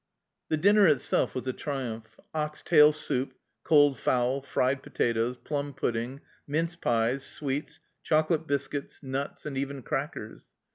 The dinner itself was a triumph. Ox tail soup, cold fowl, fried potatoes, plum pudding, mince pies, sweets, chocolate biscuits, nuts, and even crackers